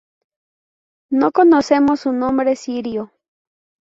No conocemos su nombre sirio.